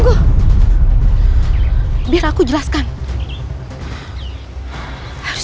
aku tidak akan segan segan untuk melawan